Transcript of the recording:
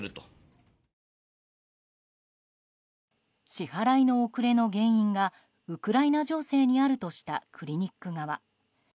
支払いの遅れの原因がウクライナ情勢にあるとしたクリニック側。